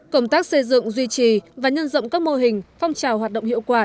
công tác xây dựng duy trì và nhân rộng các mô hình phong trào hoạt động hiệu quả